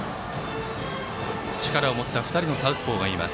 力を持った２人のサウスポーがいます。